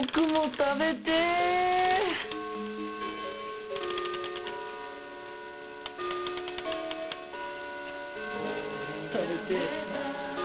食べてぇ